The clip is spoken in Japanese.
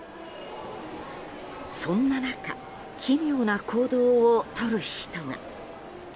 そんな中奇妙な行動をとる人が。